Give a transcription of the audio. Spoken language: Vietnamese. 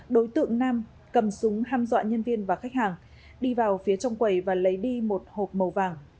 đối tượng nam cầm súng ham dọa nhân viên và khách hàng đi vào phía trong quầy và lấy đi một hộp màu vàng